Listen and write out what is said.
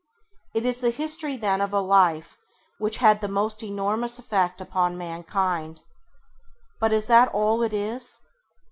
It is the history then of a life which had the most enormous effect upon mankind. But is that all it is